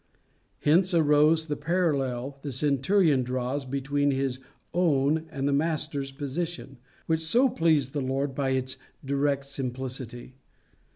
Hence arose the parallel the centurion draws between his own and the Master's position, which so pleased the Lord by its direct simplicity.